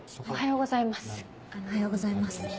おはようございます。